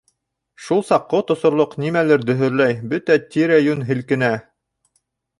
Шул саҡ ҡот осорлоҡ нимәлер дөһөрләй, бөтә тирә-йүн һелкенә.